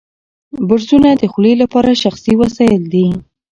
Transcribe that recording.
برسونه د خولې لپاره شخصي وسایل دي.